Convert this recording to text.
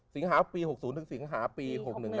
สิงหาปี๖๐ถึงสิงหาปี๖๑